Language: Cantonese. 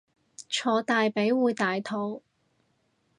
坐大髀會大肚